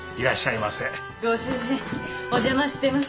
ご主人お邪魔してます。